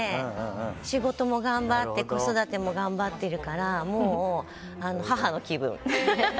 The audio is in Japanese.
仕事も頑張って子育ても頑張っているからもう、母の気分。